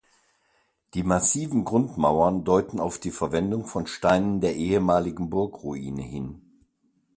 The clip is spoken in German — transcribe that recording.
Die massiven Grundmauern deuten auf die Verwendung von Steinen der ehemaligen Burgruine hin.